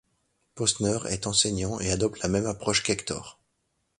Posner est enseignant et adopte la même approche qu'Hector.